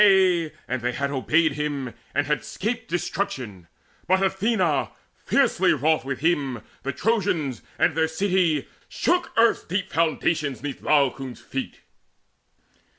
Yea, and they had obeyed him, and had 'scaped Destruction; but Athena, fiercely wroth With him, the Trojans, and their city, shook Earth's deep foundations 'neath Laocoon's feet.